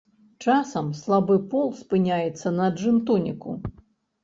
Часам слабы пол спыняецца на джын-тоніку.